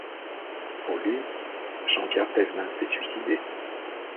Pour lui, Jean-Pierre Thévenin s'est suicidé.